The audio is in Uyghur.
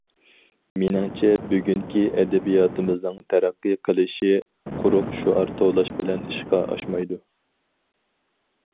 مېنىڭچە بۈگۈنكى ئەدەبىياتىمىزنىڭ تەرەققىي قىلىشى قۇرۇق شوئار توۋلاش بىلەن ئىشقا ئاشمايدۇ.